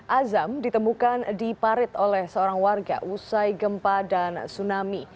azam ditemukan diparit oleh seorang warga usai gempa dan tsunami